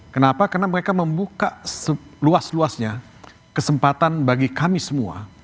kenapa karena mereka membuka seluas luasnya kesempatan bagi kami semua